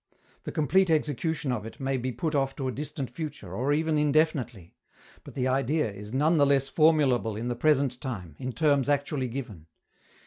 The complete execution of it may be put off to a distant future, or even indefinitely; but the idea is none the less formulable at the present time, in terms actually given.